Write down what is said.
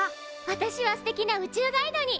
わたしは「すてきな宇宙ガイドに」！